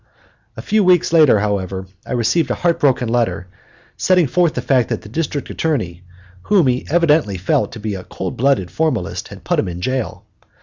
A few weeks later, however, I received a heartbroken letter setting forth the fact that the District Attorney whom he evidently felt to be a cold blooded formalist had put him in jail.